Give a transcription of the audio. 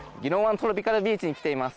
トロピカルビーチに来ています。